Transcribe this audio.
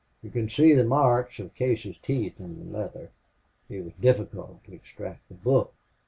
"You can see the marks of Casey's teeth in the leather. It was difficult to extract the book.